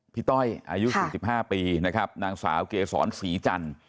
ต้อยอายุ๔๕ปีนะครับนางสาวเกษรศรีจันทร์